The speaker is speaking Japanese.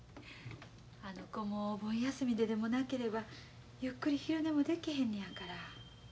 あの子もお盆休みででもなければゆっくり昼寝もでけへんねやから。